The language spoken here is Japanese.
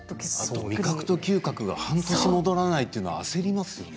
味覚、嗅覚が半年戻らないのは焦りますよね。